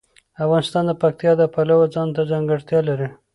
افغانستان د پکتیا د پلوه ځانته ځانګړتیا لري.